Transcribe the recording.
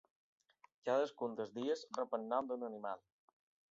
Cadascun dels dies rep el nom d'un animal.